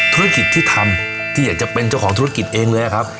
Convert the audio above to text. ธุรกิจที่ทำที่อยากจะเป็นเจ้าของธุรกิจเองเลยครับ